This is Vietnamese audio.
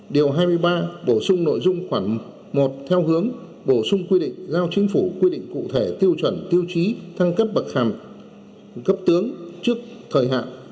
điều hai mươi ba bổ sung nội dung khoảng một theo hướng bổ sung quy định giao chính phủ quy định cụ thể tiêu chuẩn tiêu chí thăng cấp bậc hàm cấp tướng trước thời hạn